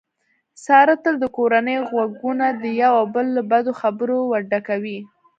ساره تل د کورنۍ غوږونه د یو او بل له بدو خبرو ورډکوي.